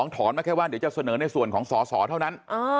ถอนมาแค่ว่าเดี๋ยวจะเสนอในส่วนของสอสอเท่านั้น